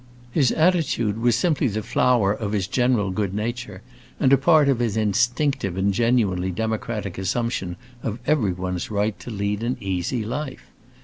His attitude was simply the flower of his general good nature, and a part of his instinctive and genuinely democratic assumption of everyone's right to lead an easy life.